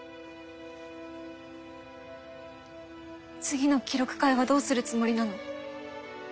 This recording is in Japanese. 次の記録会はどうするつもりなの？